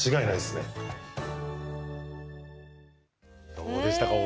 どうでしたか？